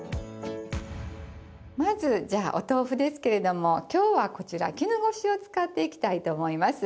まずじゃあお豆腐ですけれども今日はこちら絹ごしを使っていきたいと思います。